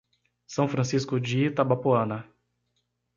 São Francisco de Itabapoana